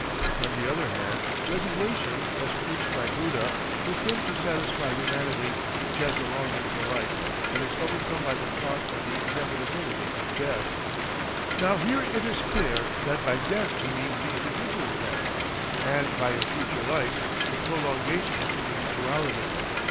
On the other hand, resignation as preached by Buddha will fail to satisfy humanity, which has a longing for life, and is overcome by the thought of the inevitability of death." Now here it is clear that by death he means the individual death, and by a future life the prolongation of individuality.